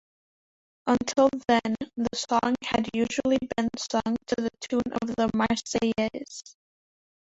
Until then, the song had usually been sung to the tune of the "Marseillaise".